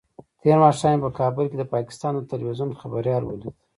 تېر ماښام مې په کابل کې د پاکستان د ټلویزیون خبریال ولید.